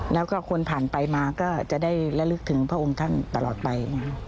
แล้วก็คนผ่านไปมาก็จะได้ระลึกถึงพระองค์ท่านตลอดไป